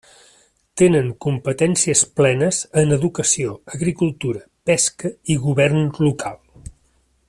Tenen competències plenes en educació, agricultura, pesca i govern local.